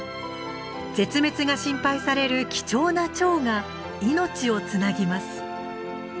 絶滅が心配される貴重なチョウが命をつなぎます。